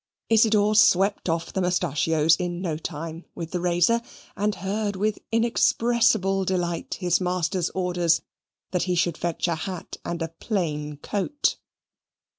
Isidor swept off the mustachios in no time with the razor, and heard with inexpressible delight his master's orders that he should fetch a hat and a plain coat.